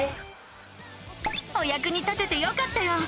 おやくに立ててよかったよ！